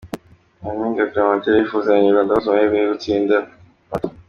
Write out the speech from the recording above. Nyampinga Clementine arifuriza abanyarwanda bose ayamahirwe yo gutsindira moto.